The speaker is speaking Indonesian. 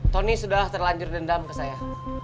tony sudah terlanjur dendam ke saya